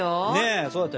そうだったよね。